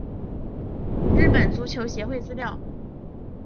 日本足球协会资料